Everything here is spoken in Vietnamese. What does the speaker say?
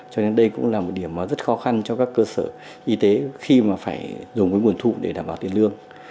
cho nên đây cũng là một điểm rất khó khăn cho các cơ sở y tế khi mà phải dùng cái nguồn thu để đảm bảo tiền lương